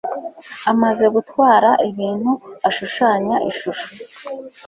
amaze gutwara ibintu ashushanya ishusho